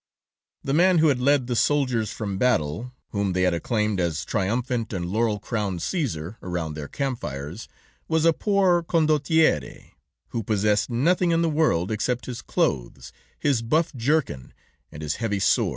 "The man who had led the soldiers from battle, whom they had acclaimed as triumphant and laurel crowned Caesar, around their campfires, was a poor condottiere, who possessed nothing in the world except his clothes, his buff jerkin and his heavy sword.